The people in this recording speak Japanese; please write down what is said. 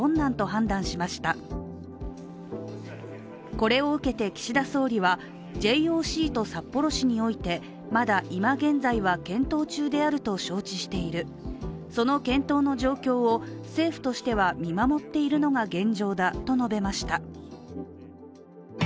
これを受けて岸田総理はＪＯＣと札幌市においてまだ今現在は検討中であると招致している、その検討の状況を、政府としては見守っているのが現状だと述べました。